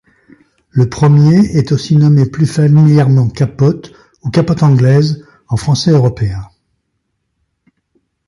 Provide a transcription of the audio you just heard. Le premier est aussi nommé plus familièrement capote, ou capote anglaise en français européen.